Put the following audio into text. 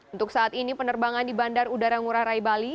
untuk saat ini penerbangan di bandar udara ngurah rai bali